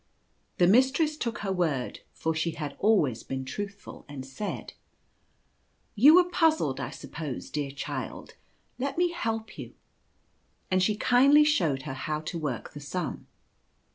The mistress took her word — for she had always been truthful — and said :" You were puzzled, I suppose, dear child ; let me help you," and she kindly showed her how to work the sum.